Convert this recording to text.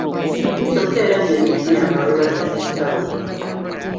Kyokka era gye bikkira nga weebase n'ekitabo kyo.